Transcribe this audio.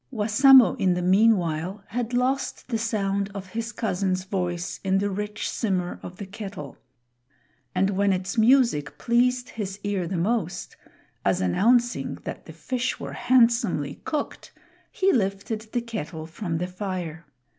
Wassamo in the meanwhile had lost the sound of his cousin's voice in the rich simmer of the kettle; and when its music pleased his ear the most, as announcing that the fish were handsomely cooked, he lifted the kettle from the fire.